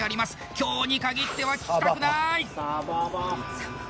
今日に限っては聞きたくない！